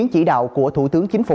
em có thể